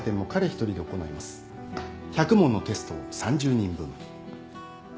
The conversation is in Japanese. １００問のテストを３０人分。